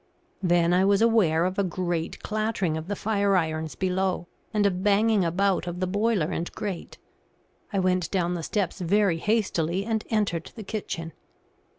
Then I was aware of a great clattering of the fire irons below, and a banging about of the boiler and grate. I went down the steps very hastily and entered the kitchen.